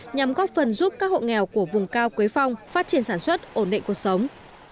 nhằm góp phần giúp các hộ nghèo của vùng cao quế phong phát triển sản xuất ổn định cuộc sống